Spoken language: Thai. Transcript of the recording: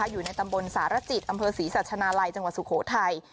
อยู่ในตำบลสารจิตอำเภอศรีสัชนาลัยจังหวัดสุโขทัย